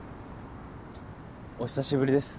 お久しぶりです